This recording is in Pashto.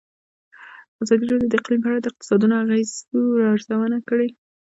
ازادي راډیو د اقلیم په اړه د اقتصادي اغېزو ارزونه کړې.